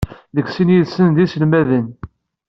Deg sin yid-sen d iselmaden.